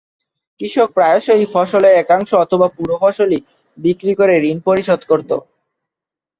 কৃষক প্রায়শই ফসলের একাংশ অথবা পুরো ফসলই বিক্রি করে ঋণ পরিশোধ করতো।